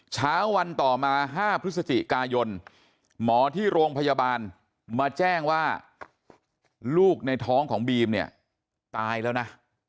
เช้าวันต่อมา๕พฤศจิกายนหมอที่โรงพยาบาลมาแจ้งว่าลูกในท้องของบีมเนี่ยตายแล้วนะ